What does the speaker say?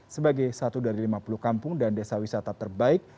sebagai satu dari lima puluh kampung dan desa wisata terbaik